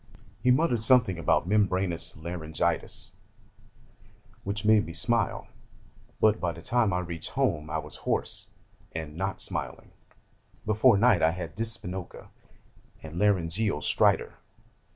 He muttered something about membranous laryngitis which made me smile, but by the time I reached home I was hoarse, and not smiling: before night I had dyspnoca and laryngeal stridor.